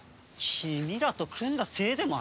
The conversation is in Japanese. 君らと組んだせいでもある。